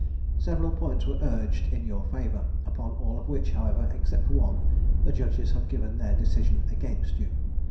Several points were urged in your favour, upon all of which, however except one, the Judges have given their decision against you.